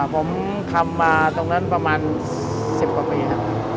ผมทำมาตรงนั้นประมาณ๑๐กว่าปีครับ